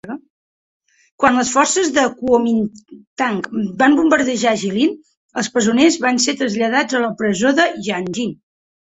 Quan les forces de Kuomingtang van bombardejar Jilin, els presoners van ser traslladats a la presó de Yanji.